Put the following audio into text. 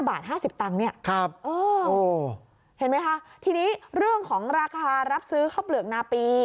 บาท๕๐ตังค์เนี่ยเห็นไหมคะทีนี้เรื่องของราคารับซื้อข้าวเปลือกนาปี